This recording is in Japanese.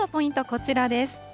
こちらです。